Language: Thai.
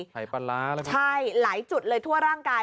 ถ่ายปลาร้าหรือเปล่าใช่หลายจุดเลยทั่วร่างกาย